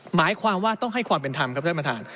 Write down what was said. หมายความว่าต้องให้ความเป็นธรรมครับท่านประธาน